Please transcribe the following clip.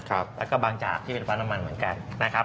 แล้วก็บางจากที่เป็นฟ้าน้ำมันเหมือนกันนะครับ